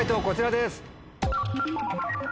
こちらです。